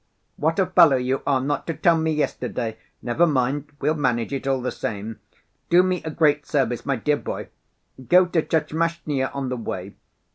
"What a fellow you are! Not to tell me yesterday! Never mind; we'll manage it all the same. Do me a great service, my dear boy. Go to Tchermashnya on the way.